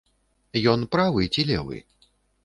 Ён правы ці левы?